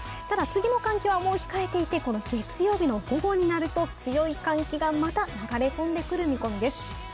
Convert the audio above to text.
ただ、次の寒気はもう控えていて月曜日の午後になると強い寒気がまた流れ込んでくる見込みです。